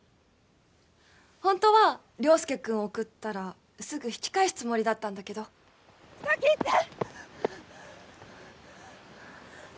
本当は良介くんを送ったらすぐ引き返すつもりだったんだけど先行って！